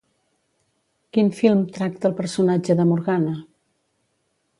Quin film tracta el personatge de Morgana?